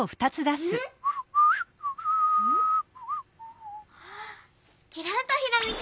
ん⁉きらんとひらめき！